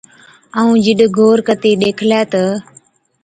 ائُون جِڏ غور ڪتِي ڏيکلَي تہ،